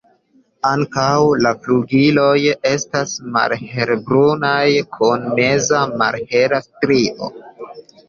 Ankaŭ la flugiloj estas malhelbrunaj kun meza malhela strio.